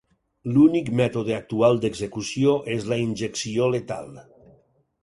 L'únic mètode actual d'execució és la injecció letal.